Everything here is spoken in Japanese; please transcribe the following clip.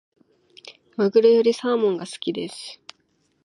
マグロよりサーモンが好きです。